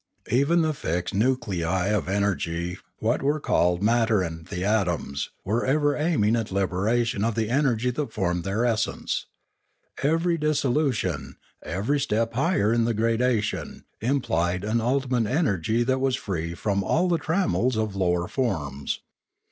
Even the fixed nuclei of energy, what were called matter and the atoms, were ever aiming at liberation of the energy that formed their essence.. Every dissolution, every step higher in the 686 Limanora gradation, implied an ultimate energy that was free from all the trammels of lower forms.